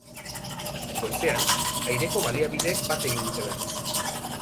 Goizean, aireko baliabideek bat egin dute berriz.